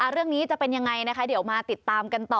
เรื่องนี้จะเป็นยังไงนะคะเดี๋ยวมาติดตามกันต่อ